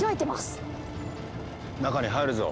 中に入るぞ！